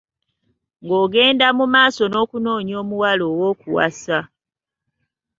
Ng’ogenda mu maaso n’okunoonya omuwala ow’okuwasa.